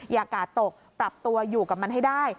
อย่ากาดตกปรับตัวอยู่กับมันให้ได้